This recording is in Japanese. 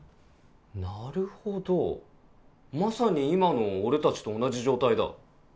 なるほどまさに今の俺たちと同じ状態だ。